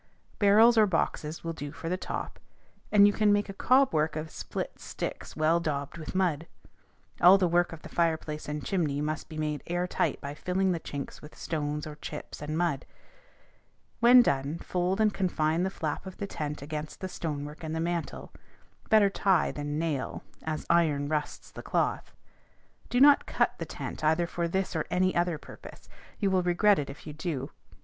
Barrels or boxes will do for the top, or you can make a cob work of split sticks well daubed with mud. All the work of the fireplace and chimney must be made air tight by filling the chinks with stones or chips and mud. When done, fold and confine the flap of the tent against the stonework and the mantle; better tie than nail, as iron rusts the cloth. Do not cut the tent either for this or any other purpose: you will regret it if you do.